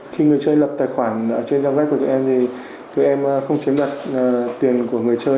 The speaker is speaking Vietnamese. khi người chơi lập tài khoản trên trang web của tụi em thì tụi em không chiếm đoạt tiền của người chơi